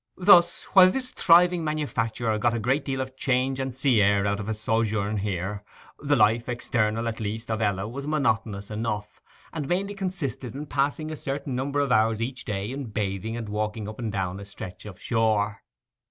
Thus, while this thriving manufacturer got a great deal of change and sea air out of his sojourn here, the life, external at least, of Ella was monotonous enough, and mainly consisted in passing a certain number of hours each day in bathing and walking up and down a stretch of shore.